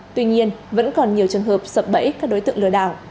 tuy nhiên vẫn còn nhiều trường hợp sập bẫy các đối tượng lừa đảo